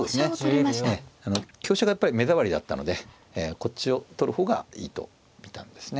あの香車がやっぱり目障りだったのでこっちを取る方がいいと見たんですね。